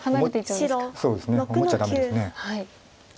思っちゃダメです。